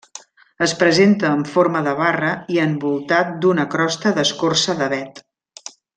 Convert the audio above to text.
Es presenta amb forma de barra i envoltat d'una crosta d'escorça d'avet.